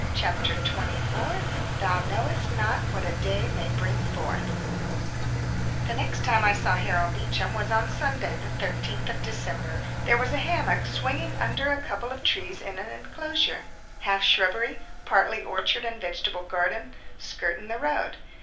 CHAPTER TWENTY FOUR Thou Knowest Not What a Day May Bring Forth The next time I saw Harold Beecham was on Sunday the 13th of December. There was a hammock swinging under a couple of trees in an enclosure, half shrubbery, partly orchard and vegetable garden, skirting the road.